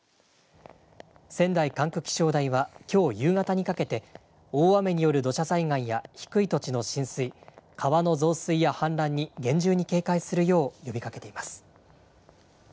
仙台管区気象台は、きょう夕方にかけて、大雨による土砂災害や低い土地の浸水、川の増水や氾濫に厳重に警戒するよう呼びかけています。